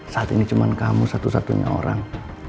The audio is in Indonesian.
saat ini cuma kamu satu satunya orang